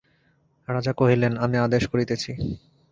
রাজা কহিলেন, আমি আদেশ করিতেছি।